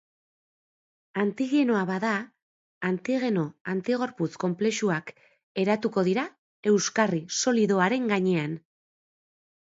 Antigenoa bada, antigeno-antigorputz konplexuak eratuko dira euskarri solidoaren gainean.